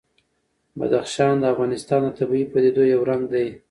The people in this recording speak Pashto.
بدخشان د افغانستان د طبیعي پدیدو یو رنګ دی.